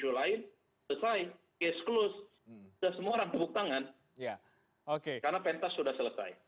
sudah semua orang tepuk tangan karena pentas sudah selesai